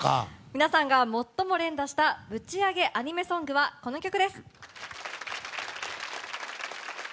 皆さんが最も連打したぶちアゲアニメソングはこの曲。